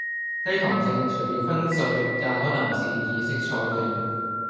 低糖症除了昏睡，也可能是意識錯亂